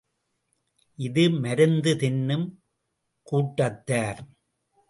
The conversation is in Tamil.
இந்த மருந்து தின்னும் கூட்டத்தார்.